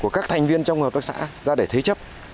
của các thành viên trong hợp tác xã ra để thế chấp